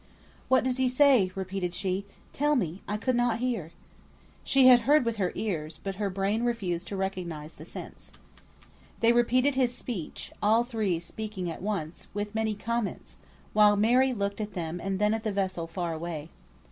"What does he say?" repeated she. "Tell me. I could not hear." She had heard with her ears, but her brain refused to recognise the sense. They repeated his speech, all three speaking at once, with many comments; while Mary looked at them and then at the vessel now far away.